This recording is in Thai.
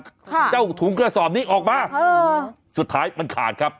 เจ้าถุงกระสอบนี้ออกมาเออสุดท้ายมันขาดครับ